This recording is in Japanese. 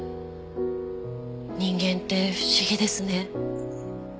人間って不思議ですね。